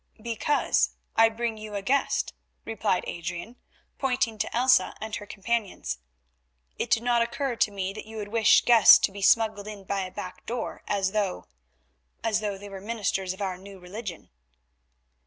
"Because I bring you a guest," replied Adrian pointing to Elsa and her companions. "It did not occur to me that you would wish guests to be smuggled in by a back door as though—as though they were ministers of our New Religion."